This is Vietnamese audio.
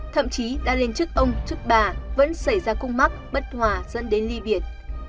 thậm chí đã lên chức ông chức bà vẫn xảy ra cung mắc bất hòa dẫn đến ly biệt